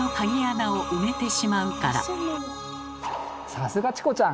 さすがチコちゃん。